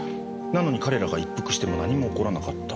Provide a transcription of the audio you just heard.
なのに彼らが一服しても何も起こらなかった。